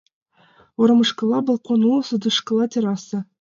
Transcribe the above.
Уремышкыла балкон уло, садышкыла — терраса.